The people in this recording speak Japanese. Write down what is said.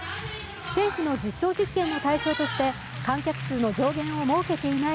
政府の実証実験の対象として観客数の上限を設けていない